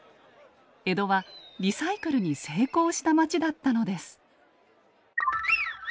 江戸はリサイクルに成功した街だったのです。